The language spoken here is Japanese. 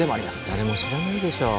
誰も知らないでしょう